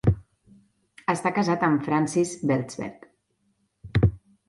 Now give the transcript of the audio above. Està casat amb Frances Belzberg.